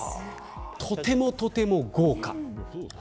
とてもとても豪華。